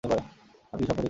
আমি কি স্বপ্ন দেখছি?